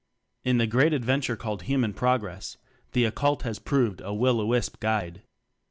In the great adventure called iu man Progress" the "Occult" has proved a will o the wisp guide.